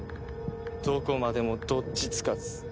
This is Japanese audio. どこまでもどっちつかず。